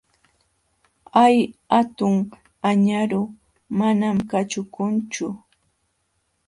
Hay hatun añaru manam kaćhukunchu.